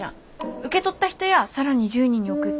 受け取った人や更に１０人に送って。